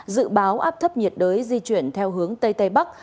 dự báo áp thấp nhiệt đới di chuyển theo hướng tây tây bắc